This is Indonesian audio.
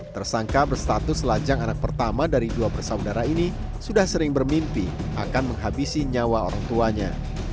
tersangka berstatus lajang anak pertama dari dua bersaudara ini sudah sering bermimpi akan menghabisi nyawa orang tuanya